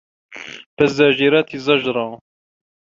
فَالزّاجِراتِ زَجرًا